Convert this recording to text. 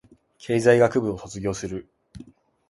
経済学部を卒業する